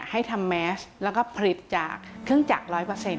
ให้ทำแมสแล้วก็ผลิตจากเครื่องจักร๑๐๐